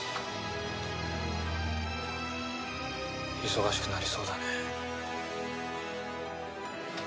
忙しくなりそうだね。